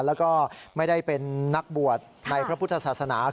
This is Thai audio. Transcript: แล้วก็ไม่ได้เป็นนักบวชในพระพุทธศาสนา